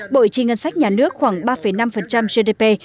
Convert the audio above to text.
bội trì ngân sách nhà nước khoảng ba năm gdp